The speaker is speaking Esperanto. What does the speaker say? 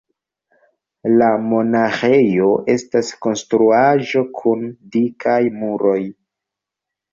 La monaĥejo estas konstruaĵo kun dikaj muroj.